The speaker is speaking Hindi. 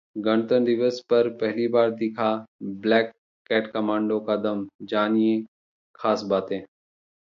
गणतंत्र दिवस पर पहली बार दिखा ब्लैक कैट कमांडो का दम, जानिए खास बातें